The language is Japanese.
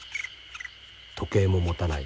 時計も持たない。